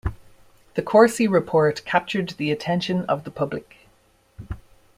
The Corsi Report captured the attention of the public.